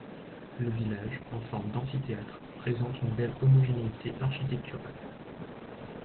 Le village, en forme d’amphithéâtre, présente une belle homogénéité architecturale.